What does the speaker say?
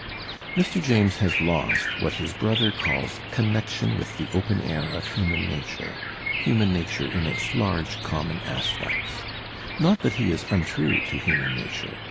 Mr. James has lost what his brother calls "connection with the open air of human nature," hiunan nature in its large common aspects. Not that he is untrue to human nature.